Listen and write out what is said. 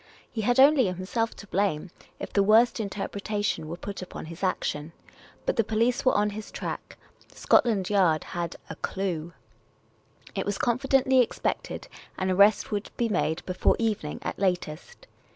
He had only himself to blame if the worst interpretation were put upon his action. But the police were on his track ; Scotland Yard had " a clue ", it was confidently expected an arrest would be made before evening at latest.